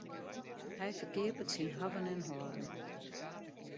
Hy ferkeapet syn hawwen en hâlden.